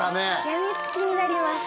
病みつきになります